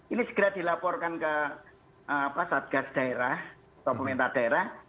ini segera dilaporkan ke satgas daerah atau pemerintah daerah